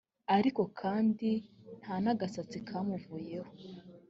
ariko kandi nta n’agasatsi kamuvuyeho